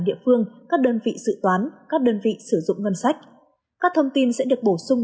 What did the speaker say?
địa phương các đơn vị dự toán các đơn vị sử dụng ngân sách các thông tin sẽ được bổ sung